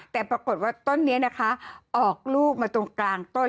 แต่ปรากฏว่าต้นนี้นะคะออกลูกมาตรงกลางต้น